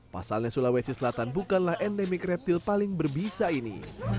pasalnya sulawesi selatan bukanlah endemik reptil paling berbisa ini